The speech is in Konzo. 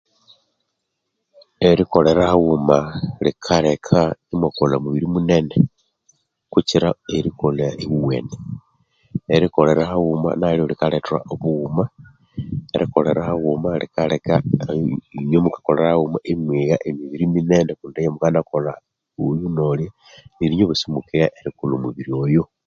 Erikolheraghawuma lhikaleka emwakolha mubiiri munene buchira erokolha ewuwene erikolheraghawuma naryo lhikalheka omuwuma erikolheraghawuma nekalheka enyemukakolherahawuma emyegha emibiiri munene kundi ibwa mukakolherahawuma